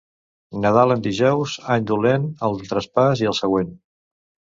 Nadal en dijous, any dolent, el de traspàs i el següent.